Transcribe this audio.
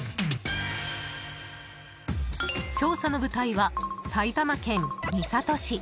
調査の舞台は、埼玉県三郷市。